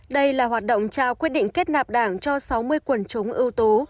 đây là hoạt động trao quyết định kết nạp đảng cho sáu mươi quần chúng ưu tú